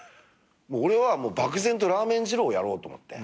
俺は漠然とラーメン二郎をやろうと思って。